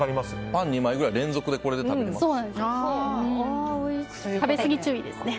パン２枚ぐらい連続で食べれます。